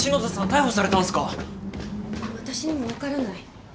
私にも分からない。